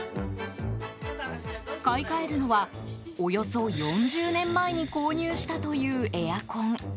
買い替えるのはおよそ４０年前に購入したというエアコン。